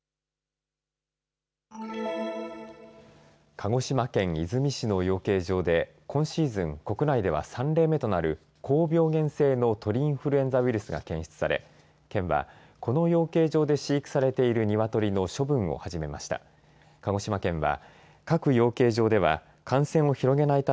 鹿児島県出水市の養鶏場で今シーズン国内では３例目となる高病原性の鳥インフルエンザウイルスが検出され県はこの養鶏場で飼育されているニワトリの処分を始めました。